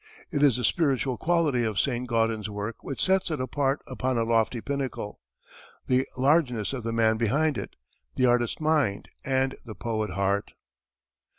It is the spiritual quality of Saint Gaudens's work which sets it apart upon a lofty pinnacle the largeness of the man behind it, the artist mind and the poet heart.